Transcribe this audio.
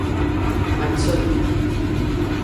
Marisol Díaz.